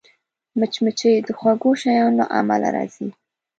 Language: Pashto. مچمچۍ د خوږو شیانو له امله راځي